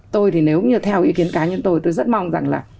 tôi thì nếu như theo ý kiến cá nhân tôi tôi rất mong rằng là